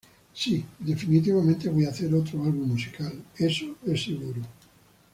Sí, definitivamente voy a hacer otro álbum musical, eso es seguro".